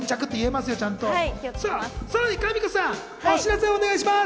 さらにかみこさん、お知らせお願いします。